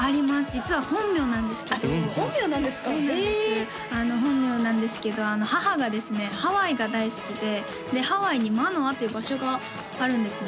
実は本名なんですけど本名なんですかええそうなんです本名なんですけど母がですねハワイが大好きででハワイにマノアという場所があるんですね